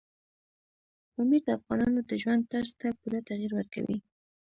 پامیر د افغانانو د ژوند طرز ته پوره تغیر ورکوي.